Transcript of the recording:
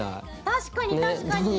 確かに確かに。